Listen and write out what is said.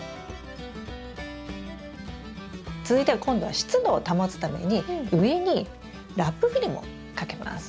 続いては今度は湿度を保つために上にラップフィルムをかけます。